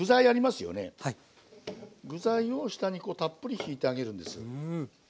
具材を下にこうたっぷりひいてあげるんです。